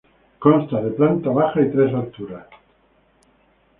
Consta de planta baja y tres alturas.